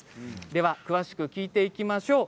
では詳しく聞いていきましょう。